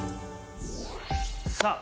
さあ